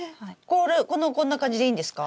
これこんな感じでいいんですか？